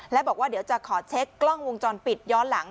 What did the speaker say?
และบอกว่าเดี๋ยวจะขอเช็คกล้องวงจรปิดย้อนหลัง